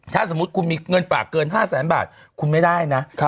ถ้าสมมุติคุณมีเงินฝากเกิน๕แสนบาทคุณไม่ได้นะ